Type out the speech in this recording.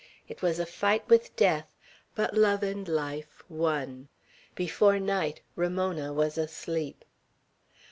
It was a fight with death; but love and life won. Before night Ramona was asleep.